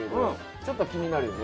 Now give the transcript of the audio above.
ちょっと気になるよね。